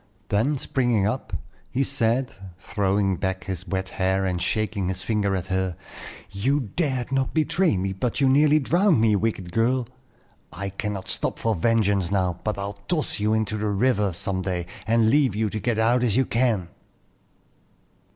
Then, springing up, he said, throwing back his wet hair and shaking his finger at her: "You dared not betray me, but you nearly drowned me, wicked girl. I cannot stop for vengeance now; but I'll toss you into the river some day, and leave you to get out as you can."